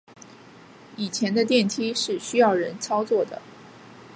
以前的电梯是需要人操作的。